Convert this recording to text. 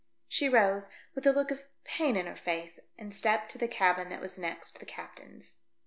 She rose with a look of pain In her face, and stepped to the cabin that was next the captain's.